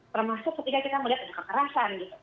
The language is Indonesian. termasuk ketika kita melihat ada kekerasan gitu